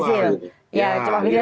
ya cuma beda satu minggu